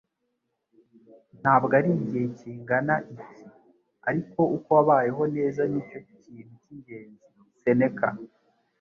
Ntabwo ari igihe kingana iki, ariko uko wabayeho neza ni cyo kintu cy'ingenzi.” - Seneka